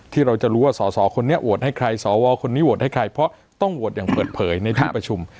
ที่เราจะรู้ว่าสอสอคนนี้โหวตให้ใครสวคนนี้โหวตให้ใครเพราะต้องโหวตอย่างเปิดเผยในที่ประชุม